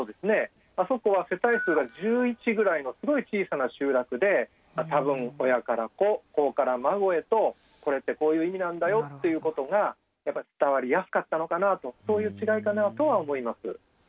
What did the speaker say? あそこは世帯数が１１ぐらいのすごい小さな集落で多分親から子子から孫へとこれってこういう意味なんだよっていうことがやっぱり伝わりやすかったのかなとそういう違いかなとは思います。